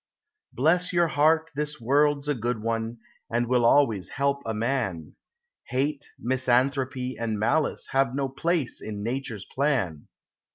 Bless your heart, this world's a good one, and will always help a man; Hate, misanthropy, and malice have no place in Nature's plan.